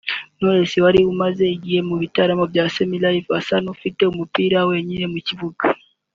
Knowless wari umaze igihe mu bitaramo bya semi live asa n’ufite umupira wenyine mu kibuga